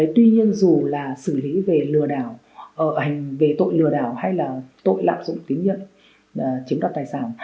tuy nhiên dù là xử lý về lừa đảo về tội lừa đảo hay là tội lạc dụng tín nhiên chiếm đoạt tài sản